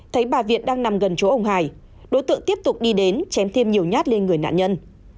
thấy bà việt đang nằm gần chỗ ông hải đối tượng tiếp tục đi đến chém thêm nhiều nhát lên người nạn nhân